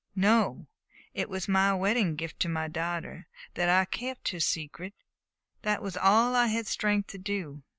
"No. It was my wedding gift to my daughter that I kept her secret. That was all I had strength to do.